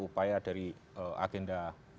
upaya dari agenda